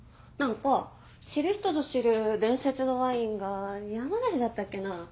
何か知る人ぞ知る伝説のワインが山梨だったっけな？